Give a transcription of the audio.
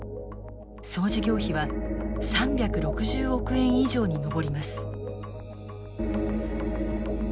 総事業費は３６０億円以上に上ります。